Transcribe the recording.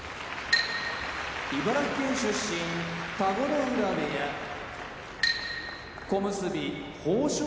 茨城県出身田子ノ浦部屋小結豊昇